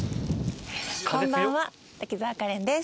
こんばんは滝沢カレンです。